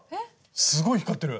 すごい光ってる。